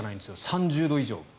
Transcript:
３０度以上が。